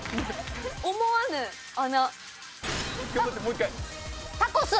思わぬ穴。